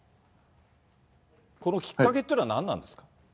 このきっかけっていうのは、何なんですか？